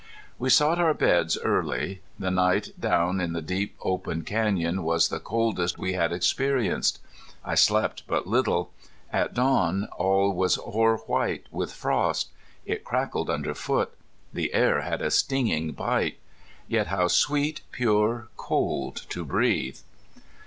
We sought our beds early. The night down in that deep, open canyon was the coldest we had experienced. I slept but little. At dawn all was hoar white with frost. It crackled under foot. The air had a stinging bite. Yet how sweet, pure, cold to breathe!